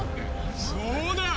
そうだ！